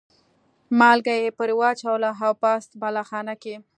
مالګه یې پرې واچوله او پاس بالاخانه کې یې.